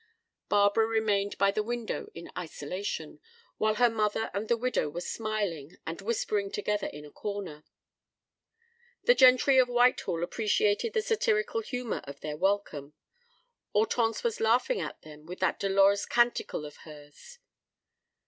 Barbara remained by the window in isolation, while her mother and the widow were smiling and whispering together in a corner. The gentry of Whitehall appreciated the satirical humor of their welcome. Hortense was laughing at them with that dolorous canticle of hers.